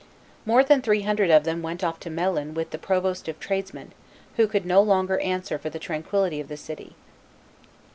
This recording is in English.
More than three hundred of them went off to Melun with the provost of tradesmen, who could no longer answer for the tranquillity of the city."